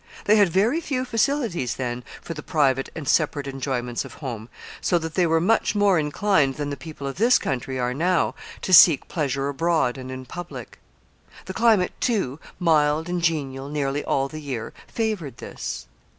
They had very few facilities then for the private and separate enjoyments of home, so that they were much more inclined than the people of this country are now to seek pleasure abroad and in public. The climate, too, mild and genial nearly all the year, favored this.